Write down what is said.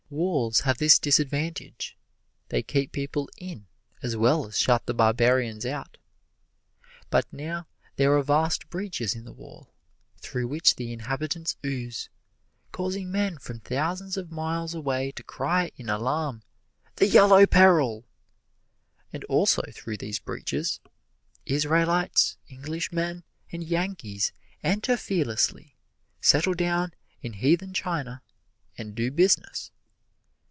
Walls have this disadvantage: they keep people in as well as shut the barbarians out. But now there are vast breaches in the wall, through which the inhabitants ooze, causing men from thousands of miles away to cry in alarm, "the Yellow Peril!" And also through these breaches, Israelites, Englishmen and Yankees enter fearlessly, settle down in heathen China, and do business.